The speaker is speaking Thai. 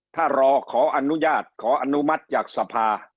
ถ้ารอขออนุญาตขออนุมัติจากสภา